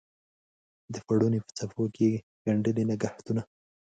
د پوړنې په څپو کې یې ګنډلي نګهتونه